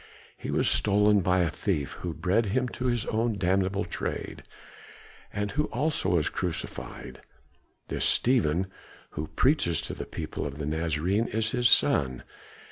"He was stolen by a thief who bred him to his own damnable trade, and who also was crucified. This Stephen, who preaches to the people of the Nazarene, is his son.